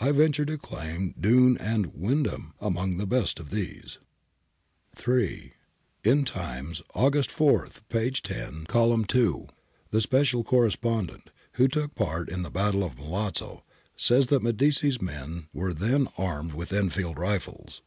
I venture to claim Dunne and Wyndham among the best of these.' APPENDIX E 329 3. In Times, August 4, p. 10, c. 2, the special corre spondent, who took part in the battle of Milazzo, says that Medici's men were then armed with Enfield rifles.